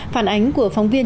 phản ánh của phóng viên